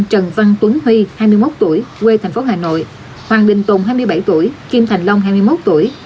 trần văn tuấn huy hai mươi một tuổi quê thành phố hà nội hoàng đình tùng hai mươi bảy tuổi kim thành long hai mươi một tuổi